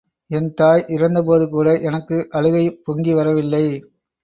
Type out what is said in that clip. என் தாய் இறந்தபோது கூட எனக்கு அழுகை பொங்கி வரவில்லை.